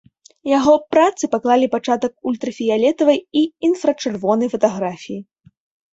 Яго працы паклалі пачатак ультрафіялетавай і інфрачырвонай фатаграфіі.